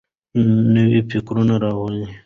نوي فکرونه راوړئ.